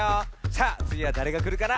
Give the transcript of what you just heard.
さあつぎはだれがくるかな？